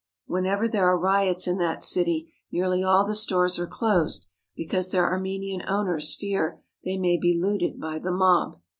Whenever there are riots in that city nearly all the stores are closed because their Armenian owners fear they may be looted by the mob.